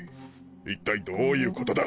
一体どういうことだ？